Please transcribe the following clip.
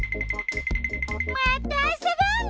またあそぼうね！